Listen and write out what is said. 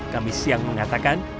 kami siang mengatakan